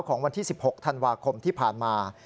ของวันที่๑๖ธันวาคมที่ผ่านมา